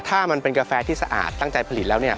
ที่สะอาดตั้งใจผลิตแล้วเนี่ย